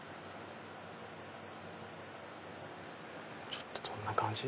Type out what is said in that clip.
ちょっとどんな感じ？